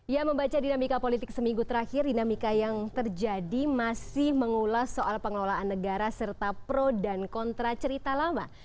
ya membaca dinamika politik seminggu terakhir dinamika yang terjadi masih mengulas soal pengelolaan negara serta pro dan kontra cerita lama